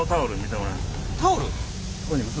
タオル？